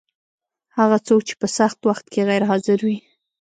هغه څوک چې په سخت وخت کي غیر حاضر وي